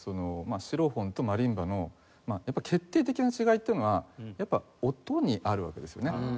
シロフォンとマリンバの決定的な違いっていうのはやっぱ音にあるわけですよね。